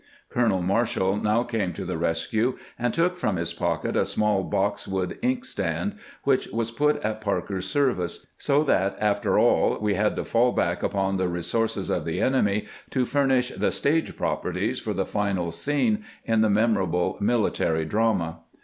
Colonel Marshall now came to the rescue, and took from his pocket a small boxwood inkstand, which was put at Parker's service, so that, after all, we had to fall back upon the resources of the enemy to furnish the " stage properties " for the final scene in the memorable military drama.